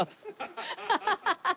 ハハハハハ！